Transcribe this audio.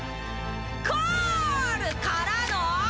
コールからの！